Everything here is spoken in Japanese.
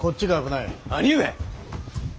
兄上！